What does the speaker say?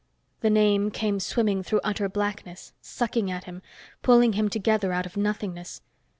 The name came swimming through utter blackness, sucking at him, pulling him together out of nothingness.